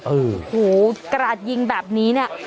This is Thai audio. โอ้โหกราดยิงแบบนี้เนี่ย